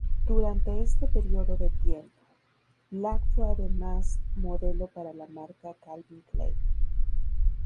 Durante este período de tiempo, Black fue además modelo para la marca Calvin Klein.